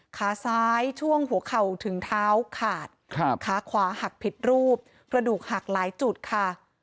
ขาซ้ายช่วงหัวเข่าถึงเท้าขาดขาขวาหักผิดรูปกระดูกหักหลายจุดค่ะ